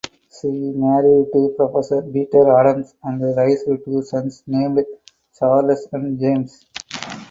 She married to professor Peter Adams and raised two sons named Charles and James.